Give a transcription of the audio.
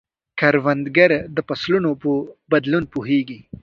کروندګر د فصلونو په بدلون پوهیږي